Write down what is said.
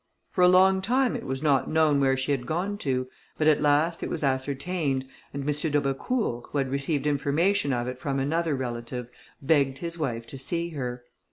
For a long time it was not known where she had gone to, but at last it was ascertained, and M. d'Aubecourt, who had received information of it from another relative, begged his wife to see her.